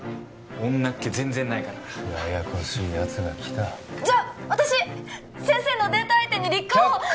女っ気全然ないからややこしいやつが来たじゃあ私先生のデート相手に立候補却下！